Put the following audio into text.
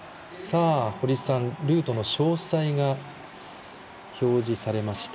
堀さん、ルートの詳細が表示されました。